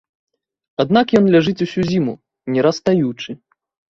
Аднак ён ляжыць усю зіму, не растаючы.